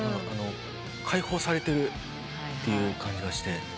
解放されているっていう感じがして。